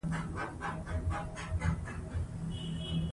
ښوونځی نجونې د احترام ژبه پالي.